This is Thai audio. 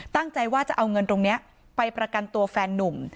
ตั้งใจว่าจะเอาเงินตรงนี้ไปประกันตัวแฟนนุ่ม